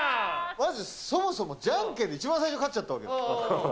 まず、そもそもじゃんけんで一番最初に勝っちゃったわけ。